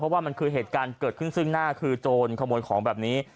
ว่ามันคือเหตุการณ์เกิดขึ้นซึ่งหน้าคือโจรขโมยของแบบนี้